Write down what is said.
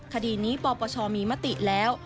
คดีนี้ปปชมีมติแล้ว